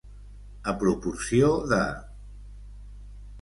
A proporció de.